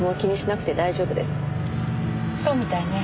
そうみたいね。